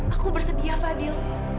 aku bersedia fadil